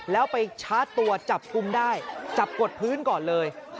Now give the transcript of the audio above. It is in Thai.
แล้วไปชาร์จตัวจับกลุ่มได้จับกดพื้นก่อนเลย